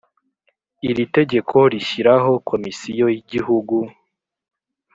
Iri tegeko rishyiraho komisiyo y igihugu